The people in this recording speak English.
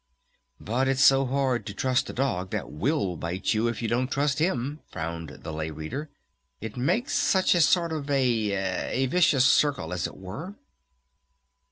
"But it's so hard to trust a dog that will bite you if you don't trust him," frowned the Lay Reader. "It makes such a sort of a a vicious circle, as it were."